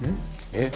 「えっ？」